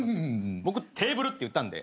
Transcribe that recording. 僕テーブルって言ったんで。